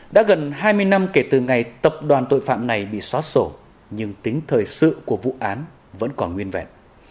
đã gần hai mươi năm kể từ ngày tập đoàn tội phạm này bị xóa sổ nhưng tính thời sự của vụ án vẫn còn nguyên vẹn